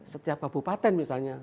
setiap kabupaten misalnya